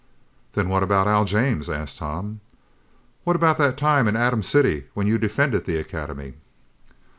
"Then what about Al James?" asked Tom. "What about that time in Atom City when you defended the Academy?"